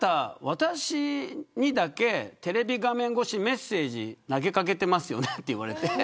私にだけテレビ画面越しにメッセージ投げ掛けてますよねと言われて。